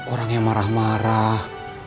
orang yang marah marah